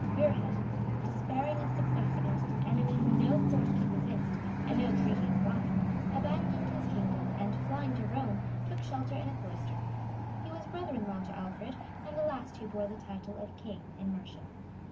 Burrhed, despairing of success against an enemy whom no force could resist, and no treaties bind, abandoned his kingdom, and, flying to Rome, took shelter in a cloister.[*] He was brother in law to Alfred, and the last who bore the title of king in Mercia.